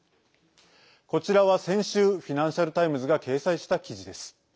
こちらは先週フィナンシャル・タイムズが掲載した記事です。